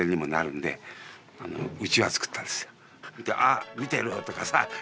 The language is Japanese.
「あっ見てる！」とかさ